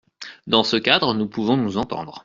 Dans ce cadre, nous pouvons nous entendre.